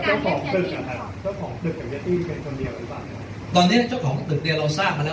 เจ้าของตึกกับเยอะตี้เป็นตัวเนียวหรือเปล่าตอนเนี้ยเจ้าของตึกเนี้ยเราทราบมาแล้ว